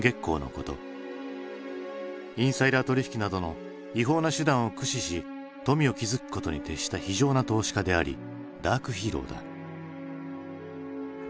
インサイダー取引などの違法な手段を駆使し富を築くことに徹した非情な投資家でありダークヒーローだ。